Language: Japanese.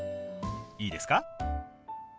いいですか？